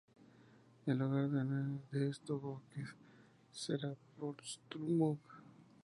El hogar de esto buques será Portsmouth.